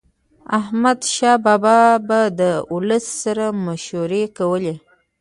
احمدشاه بابا به د ولس سره مشورې کولي.